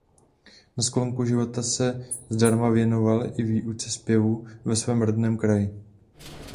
Na sklonku života se zdarma věnoval i výuce zpěvu ve svém rodném kraji.